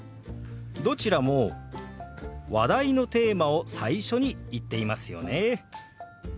どちらも話題のテーマを最初に言っていますよね。